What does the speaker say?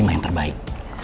lima yang terbaik